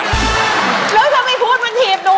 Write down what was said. แล้วทำไมพูดมันถีบหนูอ่ะ